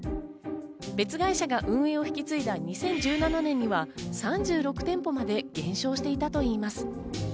別会社が運営を引き継いだ２０１７年には３６店舗まで減少していたといいます。